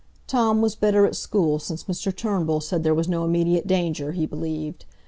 Tom was better at school, since Mr Turnbull said there was no immediate danger, he believed.